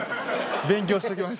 勉強しときます。